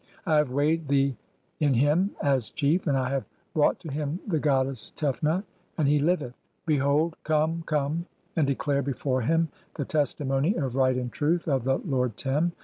I have (8) weighed the in him [as] 'chief, and I have brought to him the goddess Tefnut and he 'liveth. Behold, come, come, and declare before him the testi 'mony (9) of right and truth of the lord Tern.